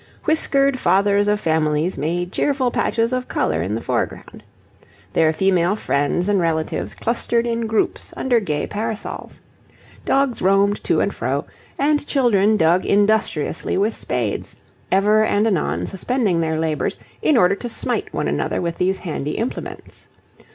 Whiskered fathers of families made cheerful patches of colour in the foreground. Their female friends and relatives clustered in groups under gay parasols. Dogs roamed to and fro, and children dug industriously with spades, ever and anon suspending their labours in order to smite one another with these handy implements.